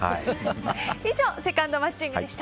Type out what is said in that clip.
以上、セカンド街ングでした。